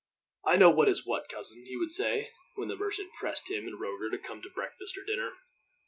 "I know what is what, cousin," he would say, when the merchant pressed him and Roger to come to breakfast or dinner.